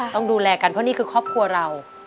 ต้องดูแลกันเพราะนี่คือครอบครัวเรา